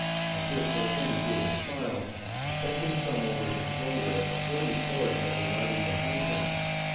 At this Bargany gave a smile, and set his thumb over his shoulder at the forty swords that were riding behind him.